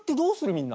みんな。